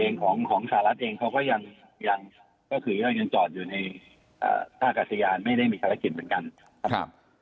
แต่ของสหรัฐเองเขาก็ยังจอดอยู่ในอากาศยานไม่ได้มีภารกิจเหมือนกัน